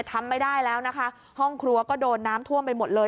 ทำไม่ได้แล้วนะคะห้องครัวก็โดนน้ำท่วมไปหมดเลย